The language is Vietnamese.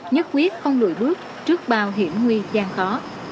nhất quyết không lùi bước trước bao hiểm nguy gian khó